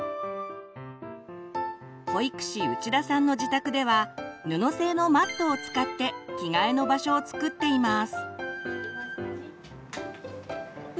保育士内田さんの自宅では布製のマットを使って「着替えの場所」を作っています。